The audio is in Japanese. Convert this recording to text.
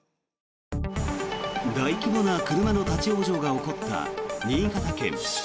大規模な車の立ち往生が起こった新潟県。